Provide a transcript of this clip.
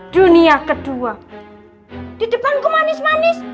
gak usah di depan manis manis